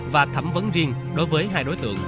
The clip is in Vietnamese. và thẩm vấn riêng đối với hai đối tượng